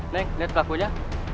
neng lihat pelakunya